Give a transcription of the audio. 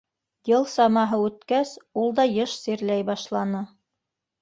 Йыл самаһы үткәс, ул да йыш сирләй башланы.